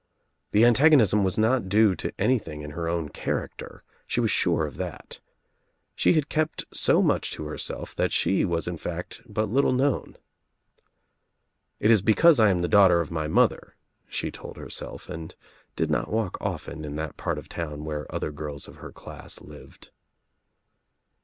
The antagonism was not due to anything in her own character. She was sure of that. She had kept so much to herself that she was in fact . but little known. "It is because I am the daughter of ny mother," she told herself and did not walk often 1 the part of town where other girls of her class lived.